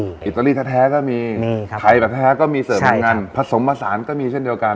อิตาลีแท้ก็มีไทยแท้ก็มีเสิร์ฟนั่นผสมผสานก็มีเช่นเดียวกัน